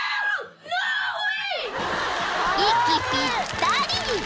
［息ぴったり］